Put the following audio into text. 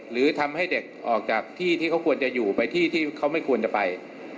หรือทำให้เด็กออกจากที่ที่เขาควรจะอยู่ไปที่ที่เขาไม่ควรจะไป